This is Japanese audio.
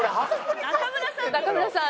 中村さん。